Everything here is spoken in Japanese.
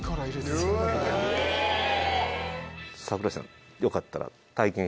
櫻井さんよかったら。